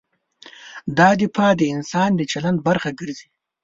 دا دفاع د انسان د چلند برخه ګرځي.